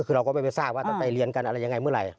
คือเราก็ไม่ไปทราบว่าต้องไปเรียนกันอะไรยังไงเมื่อไหร่